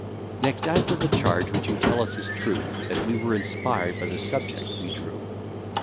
Next, as to the charge, which you tell us is true, That we were inspired by the subject we drew.